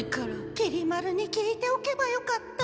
きり丸に聞いておけばよかった。